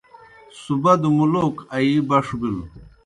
سُبَدوْ مُلوک آیِی بَݜ بِلوْ۔